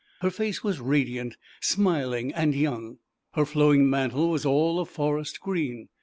Her face was radiant, smiling and young. Her flowing mantle was all of forest green.